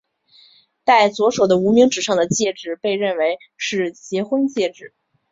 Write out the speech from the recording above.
戴左手的无名指上的戒指被认为是结婚戒指。